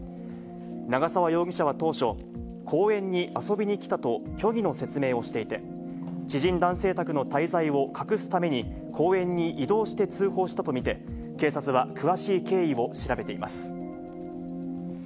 長沢容疑者は当初、公園に遊びに来たと虚偽の説明をしていて、知人男性宅の滞在を隠すために公園に移動して通報したと見て、警察は詳しい経緯を調べています。